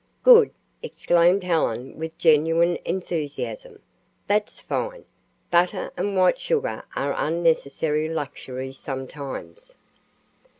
"Good!" exclaimed Helen with genuine enthusiasm. "That's fine! Butter and white sugar are unnecessary luxuries sometimes.